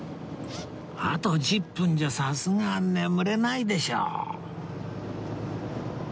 あと１０分じゃさすがに眠れないでしょう